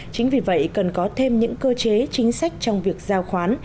chính vì vậy cần có thêm những cơ chế chính sách trong việc giao khoán